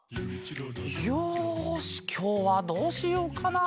よしきょうはどうしようかな？